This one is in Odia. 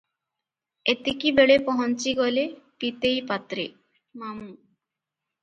ଏତିକିବେଳେ ପହଞ୍ଚିଗଲେ ପିତେଇ ପାତ୍ରେ, ମାମୁଁ ।